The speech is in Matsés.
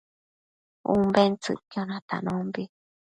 Umbentsëcquio natanombi